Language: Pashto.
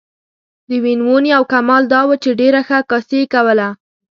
د وین وون یو کمال دا و چې ډېره ښه عکاسي یې کوله.